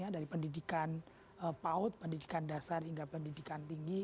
dari pendidikan paut pendidikan dasar hingga pendidikan tinggi